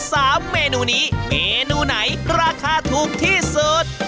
สามเมนูนี้เมนูไหนราคาถูกที่สุด